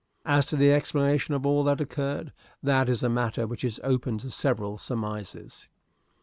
As to the explanation of all that occurred that is a matter which is open to several surmises.